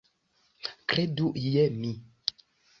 Kredu je mi.